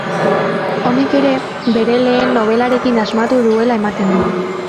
Honek ere bere lehen nobelarekin asmatu duela ematen du.